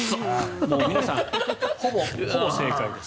皆さん、ほぼ正解です。